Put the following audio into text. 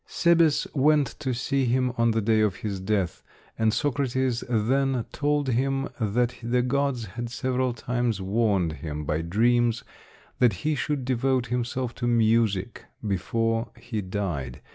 Cébès went to see him on the day of his death, and Socrates then told him that the gods had several times warned him by dreams that he should devote himself to music before he died.